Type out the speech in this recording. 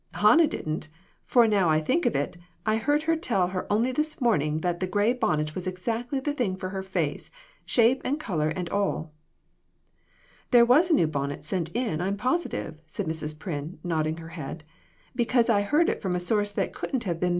Hannah, didn't, for now I think of it, I heard her tell her only this morning that the gray bonnet was exactly the thing for her face, shape and color and all." "There was a new bonnet sent in, I'm positive," said Mrs. Pryn, nodding her head; "because I heard it from a source that couldn't have been 150 DON'T REPEAT IT.